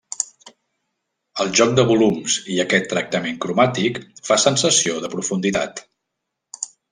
El joc de volums i aquest tractament cromàtic fa sensació de profunditat.